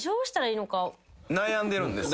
悩んでるんですね。